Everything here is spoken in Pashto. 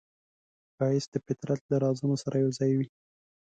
ښایست د فطرت له رازونو سره یوځای وي